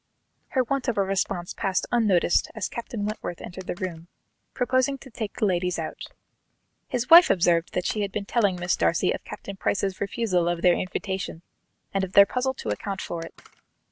Her want of response passed unnoticed as Captain Wentworth entered the room, proposing to take the ladies out. His wife observed that she had been telling Miss Darcy of Captain Price's refusal of their invitation, and of their puzzle to account for it.